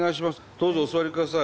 どうぞお座りください。